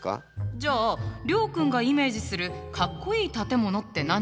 じゃあ諒君がイメージするカッコイイ建物って何かしら？